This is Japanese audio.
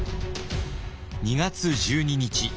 ２月１２日